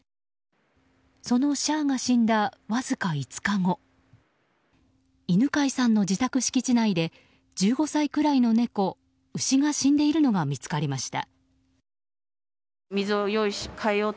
そのシャーが死んだわずか５日後犬飼さんの自宅敷地内で１５歳くらいの猫ウシが死んでいるのが見つかりました。